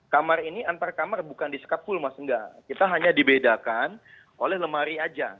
kamar ini antar kamar bukan diskapul mas enggak kita hanya dibedakan oleh lemari aja